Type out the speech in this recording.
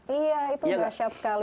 iya itu berasyat sekali